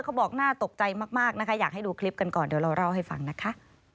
เขาบอกน่าตกใจมากนะคะอยากให้ดูคลิปกันก่อนเดี๋ยวเราเล่าให้ฟังนะคะ